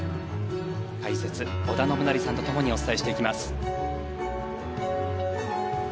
解説、織田信成さんと共にお伝えしていきます。